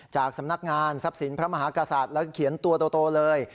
จากสำนักงานทรัพย์สินพระมหากษัตริย์แล้วเขียนตัวโตเลย